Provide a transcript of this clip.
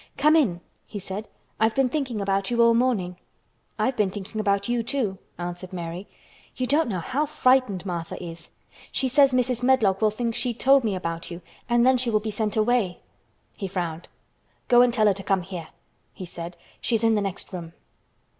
"Come in," he said. "I've been thinking about you all morning." "I've been thinking about you, too," answered Mary. "You don't know how frightened Martha is. She says Mrs. Medlock will think she told me about you and then she will be sent away." He frowned. "Go and tell her to come here," he said. "She is in the next room."